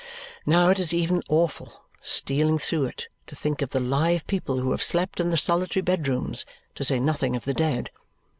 Now it is even awful, stealing through it, to think of the live people who have slept in the solitary bedrooms, to say nothing of the dead.